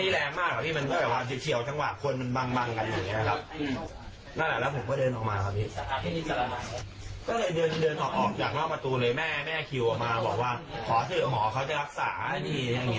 แล้วก็เดินออกไป